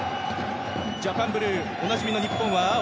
ジャパンブルーおなじみの日本は青。